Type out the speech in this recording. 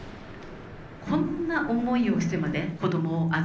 こんな思いをしてまで子どもを預けてね